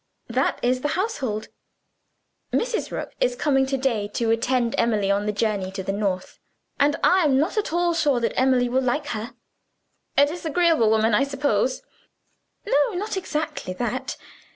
That is the household. Mrs. Rook is coming to day to attend Emily on the journey to the North; and I am not at all sure that Emily will like her." "A disagreeable woman, I suppose?" "No not exactly that.